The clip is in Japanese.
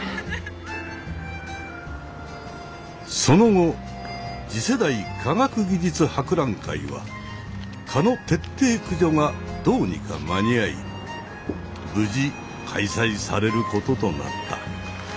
その後次世代科学技術博覧会は蚊の徹底駆除がどうにか間に合い無事開催されることとなった。